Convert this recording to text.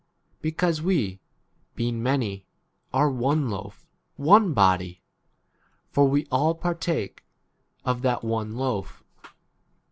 Because we, [being] many, are one loaf,? one body ; for we all partake of that one loaf